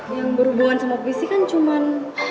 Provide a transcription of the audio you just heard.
yang berhubungan sama puisi kan cuman